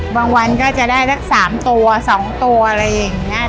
บางวันก็จะได้สักสามตัวสองตัวอะไรอย่างเงี้ย